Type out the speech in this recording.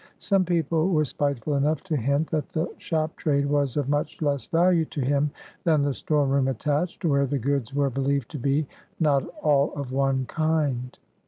Some people were spiteful enough to hint that the shop trade was of much less value to him than the store room attached, where the goods were believed to be not all of one kind.